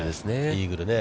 イーグルね。